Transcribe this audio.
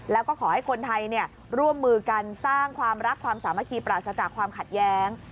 แล้วก็ขอให้คนไทยร่วมมือกันสร้างความรักความสามัคคีปราศจากความขัดแย้ง